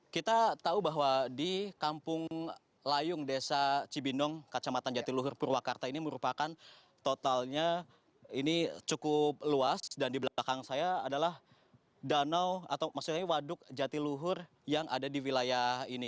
kita tahu bahwa di kampung layung desa cibinong kacamata jatiluhur purwakarta ini merupakan totalnya ini cukup luas dan di belakang saya adalah danau atau maksudnya waduk jatiluhur yang ada di wilayah ini